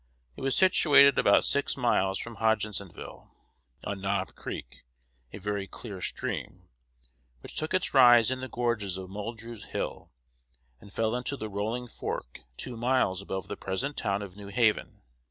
It was situated about six miles from Hodgensville, on Knob Creek, a very clear stream, which took its rise in the gorges of Muldrews Hill, and fell into the Rolling Fork two miles above the present town of New Haven.